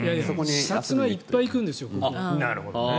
視察にいっぱい行くんですよ。